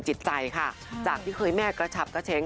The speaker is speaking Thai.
จิตใจค่ะจากที่เคยแม่กระฉับกระเช้ง